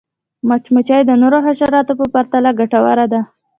مچمچۍ د نورو حشراتو په پرتله ګټوره ده